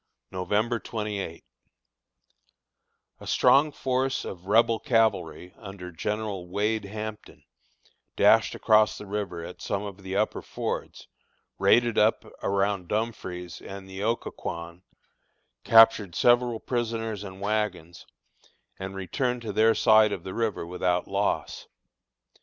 November 28. A strong force of Rebel cavalry, under General Wade Hampton, dashed across the river at some of the upper fords, raided up around Dumfries and the Occoquan, captured several prisoners and wagons, and returned to their side of the river without loss.